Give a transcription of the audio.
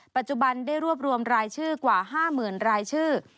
ปัจจุบันได้รวบรวมรายชื่อกว่า๕๐๐๐รายชื่อ